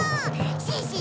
シンシン！